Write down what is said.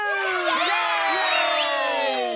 イエイ！